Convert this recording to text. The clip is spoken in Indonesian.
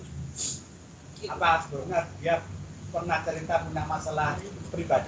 apa sebenarnya dia pernah cerita tentang masalah pribadi